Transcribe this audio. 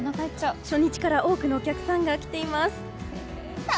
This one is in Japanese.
初日から多くのお客さんが来ています。